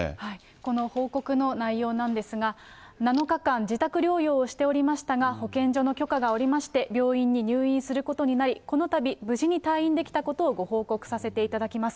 この報告の内容なんですが、７日間自宅療養をしておりましたが、保健所の許可が下りまして、病院に入院することになり、このたび、無事に退院できたことをご報告させていただきます。